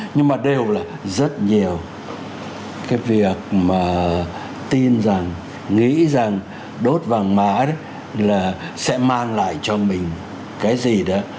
nhưng mà đều là rất nhiều cái việc mà tin rằng nghĩ rằng đốt vàng mã đấy là sẽ mang lại cho mình cái gì đó